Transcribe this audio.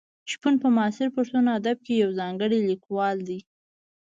شپون په معاصر پښتو ادب کې یو ځانګړی لیکوال دی.